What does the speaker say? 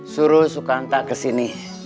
suruh sukanta kesini